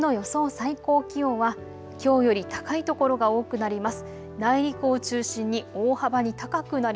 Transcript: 最高気温はきょうより高い所が多くなります。